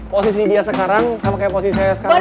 posisi dia sekarang sama kayak posisi saya sekarang